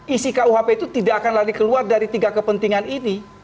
isi kuhp itu tidak akan lagi keluar dari tiga kepentingan ini